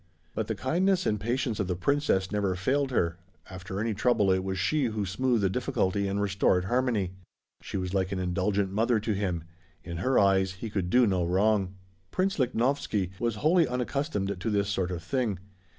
But the kindness and patience of the Princess never failed her; after any trouble it was she who smoothed the difficulty and restored harmony. She was like an indulgent mother to him; in her eyes he could do no wrong. Prince Lichnowsky was wholly unaccustomed to this sort of thing.